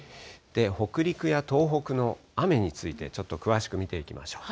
北陸や東北の雨について、ちょっと詳しく見ていきましょう。